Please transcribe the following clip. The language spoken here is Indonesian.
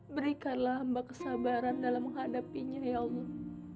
berikanlah mbak kesabaran dalam menghadapinya ya allah